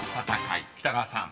［北川さん